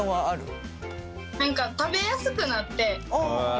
何か食べやすくなって。